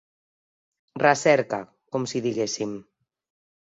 Recerca, com si diguéssim.